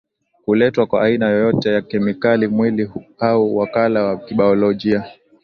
kuletwa kwa aina yoyote ya kemikali mwili au wakala wa kibaolojia